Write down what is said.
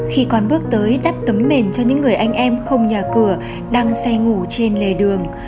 khi con bước tới đắp tấm nền cho những người anh em không nhà cửa đang xe ngủ trên lề đường